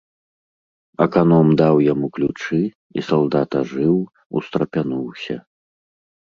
Аканом даў яму ключы, і салдат ажыў, устрапянуўся.